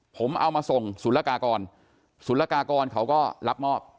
ผมเอามาส่งศุลกากรศุลกากรเขาก็รับมอบ